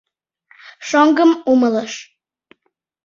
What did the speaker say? Шоҥгым умылыш...